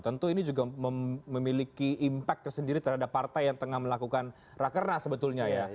tentu ini juga memiliki impact tersendiri terhadap partai yang tengah melakukan rakerna sebetulnya ya